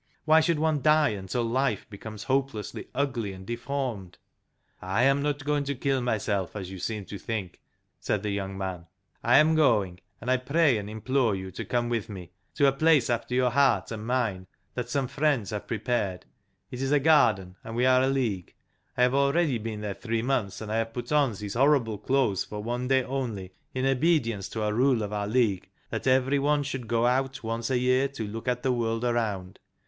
Why should one die until life becomes hopelessly ugly and deformed?" " I am not going to kill myself, as you seem to think," said the young man. " I am going, and I pray and implore you to come with me, to a place after your heart and mine, that some friends have pre pared. It is a garden, and we are a League. I have already been there three months, and I have put on these horrible clothes for one day only, in obedience to a rule of our League, that every one should go out once a year to look at the world around.